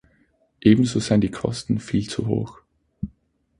Ebenso seien die Kosten viel zu hoch.